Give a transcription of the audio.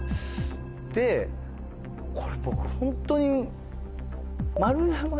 でこれ僕ホントに。